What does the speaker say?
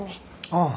ああ。